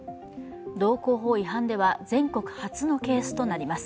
道交法違反では全国初のケースとなります。